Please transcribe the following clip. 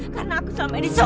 karena aku sama edi zan